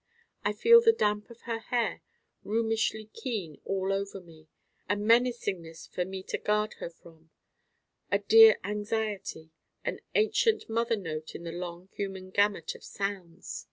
I feel the damp of her hair rheumishly keen all over me: a menacingness for me to guard her from: a dear anxiety: an ancient mother note in the long human gamut of sounds.